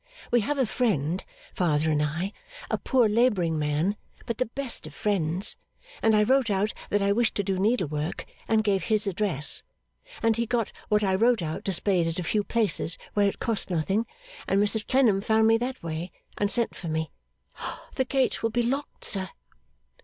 We have a friend, father and I a poor labouring man, but the best of friends and I wrote out that I wished to do needlework, and gave his address. And he got what I wrote out displayed at a few places where it cost nothing, and Mrs Clennam found me that way, and sent for me. The gate will be locked, sir!